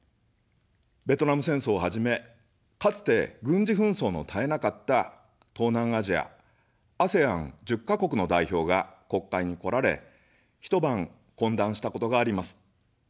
ベトナム戦争をはじめ、かつて、軍事紛争の絶えなかった東南アジアＡＳＥＡＮ１０か国の代表が国会に来られ、一晩懇談したことがあります。